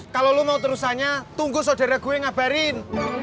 kalau lo mau terusannya tunggu sodara gue ngabarin